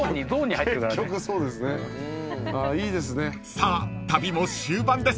［さあ旅も終盤です］